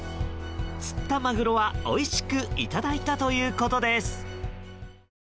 釣ったマグロはおいしくいただいたということです。